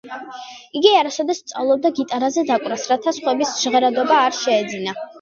იგი არასოდეს სწავლობდა გიტარაზე დაკვრას, რათა სხვების ჟღერადობა არ შეეძინა.